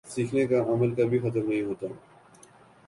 سیکھنے کا عمل کبھی ختم نہیں ہوتا